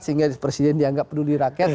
sehingga presiden dianggap peduli rakyat